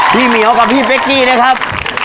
เหมียวกับพี่เป๊กกี้นะครับ